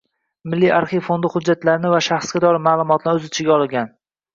Milliy arxiv fondi hujjatlarini va shaxsga doir ma’lumotlarni o‘z ichiga olgan